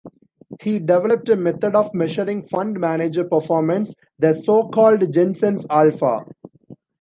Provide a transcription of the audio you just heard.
He developed a method of measuring fund manager performance, the so-called Jensen's alpha.